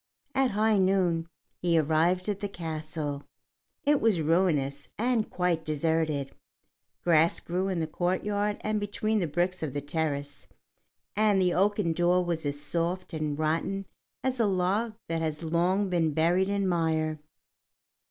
At high noon he arrived at the castle. It was ruinous and quite deserted; grass grew in the courtyard and between the bricks of the terrace, and the oaken door was as soft and rotten as a log that has long been buried in mire.